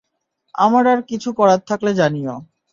আমার আর কিছু করার থাকলে জানিও।